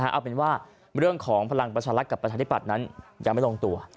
เอาเป็นว่าเรื่องของพลังประชารัฐกับประชาธิปัตย์นั้นยังไม่ลงตัว